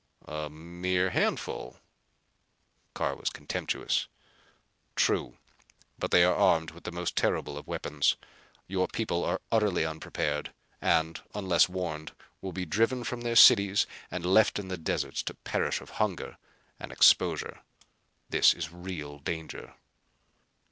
"A mere handful!" Carr was contemptuous. "True, but they are armed with the most terrible of weapons. Your people are utterly unprepared and, unless warned, will be driven from their cities and left in the deserts to perish of hunger and exposure. This is a real danger."